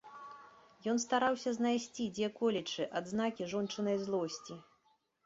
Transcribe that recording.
Ён стараўся знайсці дзе-колечы адзнакі жончынай злосці.